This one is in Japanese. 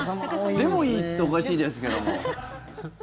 でもいいっておかしいですけども。